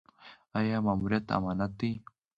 آیا ماموریت امانت دی؟